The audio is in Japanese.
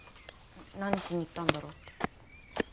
何しに行ったんだろうって。